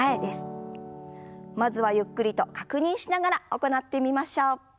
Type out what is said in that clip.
まずはゆっくりと確認しながら行ってみましょう。